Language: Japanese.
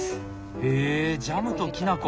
へえジャムときな粉。